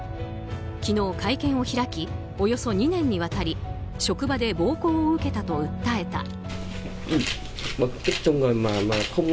昨日、会見を開きおよそ２年にわたり職場で暴行を受けたと訴えた。